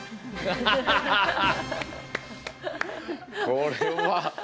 これは。